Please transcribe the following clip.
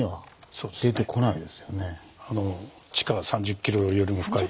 地下３０キロよりも深い。